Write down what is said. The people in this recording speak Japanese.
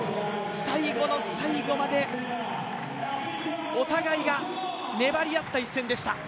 最後の最後までお互いが粘り合った一戦でした。